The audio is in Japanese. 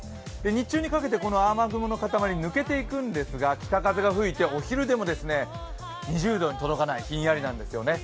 日中にかけてこの雨雲の塊ぬけていくんですが北風が吹いてお昼でも２０度に届かない、ひんやりなんですね。